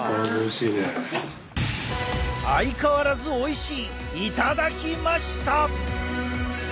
「相変わらずおいしい」頂きました！